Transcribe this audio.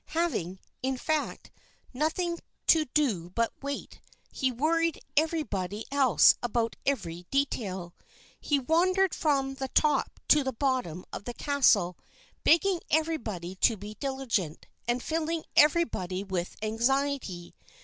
Having, in fact, nothing to do but wait, he worried everybody else about every detail. He wandered from the top to the bottom of the castle, begging everybody to be diligent, and filling everybody with anxiety.